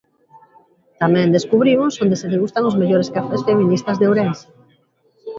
Tamén descubrimos onde se degustan os mellores cafés feministas de Ourense.